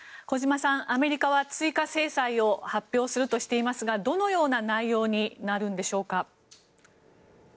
小島さん、アメリカは追加制裁を発表するとしていますがどのような内容になるんでしょうか。